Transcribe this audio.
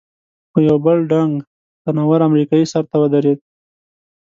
خو یو بل ډنګ، تن ور امریکایي سر ته ودرېد.